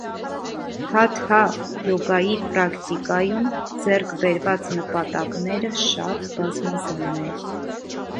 Հաթհա յոգայի պրակտիկայում ձեռք բերված նպատակները շատ բազմազան են։